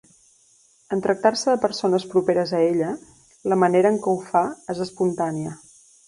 En tractar-se de persones properes a ella, la manera en què ho fa és espontània.